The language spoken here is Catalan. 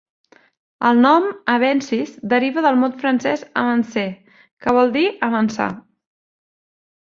El nom "Avensis" deriva del mot francès "avancer", que vol dir "avançar".